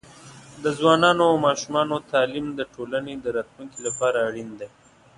د ځوانانو او ماشومانو تعليم د ټولنې د راتلونکي لپاره اړین دی.